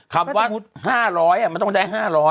คำว่า๕๐๐มันต้องได้๕๐๐